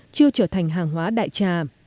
chưa trở thành hàng hóa đại trà